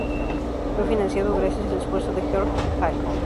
Fue financiado gracias al esfuerzo de George Hale.